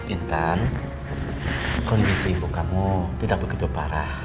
intan kondisi ibu kamu tidak begitu parah